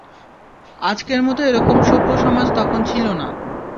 আজকের মতো এরকম সভ্য সমাজ তখন ছিল না।